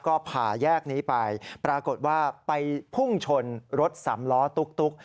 ก็ผ่าแยกนี้ไปปรากฏว่าไปพุ่งชนรถสำล้อตุ๊ก